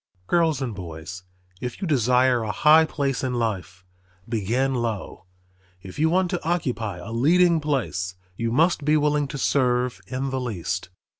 Girls and boys, if you desire a high place in life, begin low. If you want to occupy a leading place you must be willing to serve in the least.